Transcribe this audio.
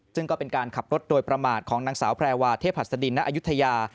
ซึ่งก็เป็นการขับรถโดยประมาทของนางสาวแพรวาเทพหัสดินณอายุทยา